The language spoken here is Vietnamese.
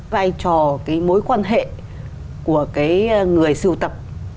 vai trò cái mối quan hệ của cái người sưu tập